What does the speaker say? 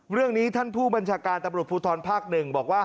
เรื่องนี้ท่านผู้บัญชาการตำรวจภูทรภาค๑บอกว่า